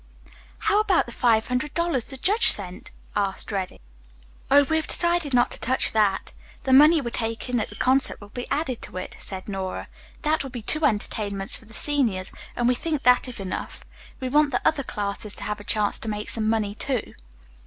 "How about the five hundred dollars the judge sent?" asked Reddy. "Oh, we have decided not to touch that. The money we take in at the concert will be added to it," said Nora. "That will be two entertainments for the seniors, and we think that is enough. We want the other classes to have a chance to make some money, too."